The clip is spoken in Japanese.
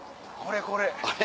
これこれ。